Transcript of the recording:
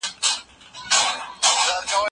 اولسونه چه سند وبله وکا